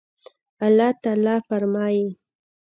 الله تعالى فرمايي